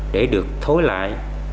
để được thối lại